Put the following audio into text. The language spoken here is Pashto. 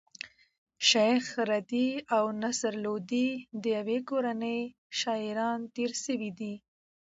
شېخ رضي او نصر لودي د ېوې کورنۍ شاعران تېر سوي دي.